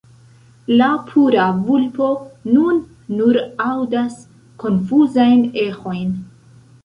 La pura vulpo nun nur aŭdas konfuzajn eĥojn.